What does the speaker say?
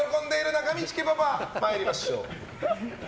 中道家パパ参りましょう。